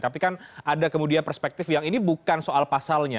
tapi kan ada kemudian perspektif yang ini bukan soal pasalnya